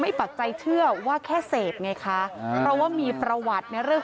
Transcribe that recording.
ปักใจเชื่อว่าแค่เสพไงคะเพราะว่ามีประวัติในเรื่อง